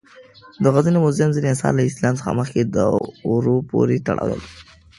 د غزني د موزیم ځینې آثار له اسلام څخه مخکې دورو پورې تړاو لري.